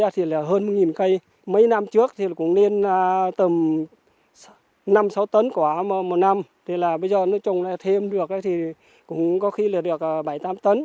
thì là hơn một cây mấy năm trước thì cũng nên tầm năm sáu tấn quả một năm thì là bây giờ nó trồng lại thêm được thì cũng có khi là được bảy mươi tám tấn